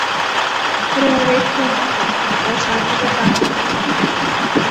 เรือเล็กควรออกจากฝั่ง ประชาธิปัตย์